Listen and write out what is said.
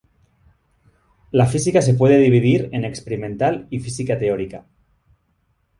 La física se puede dividir en experimental y física teórica.